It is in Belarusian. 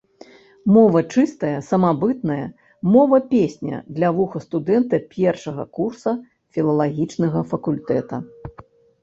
Мова чыстая, самабытная, мова-песня для вуха студэнта першага курса філалагічнага факультэта.